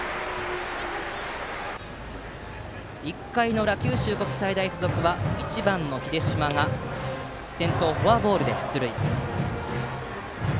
１回の裏九州国際大付属は１番の秀嶋が先頭フォアボールで出塁。